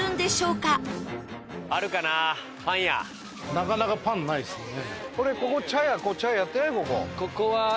なかなかパンないですもんね。